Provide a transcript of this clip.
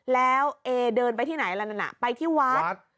แล้วเอเดินไปที่ไหนแล้วนั่นน่ะไปที่วัด